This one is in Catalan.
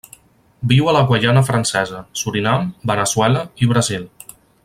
Viu a la Guaiana Francesa, Surinam, Veneçuela i Brasil.